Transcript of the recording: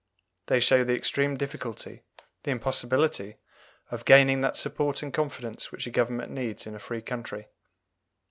They show the extreme difficulty, the impossibility, of gaining that support and confidence which a Government needs in a free country.